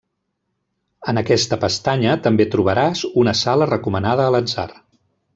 En aquesta pestanya també trobaràs una sala recomanada a l'atzar.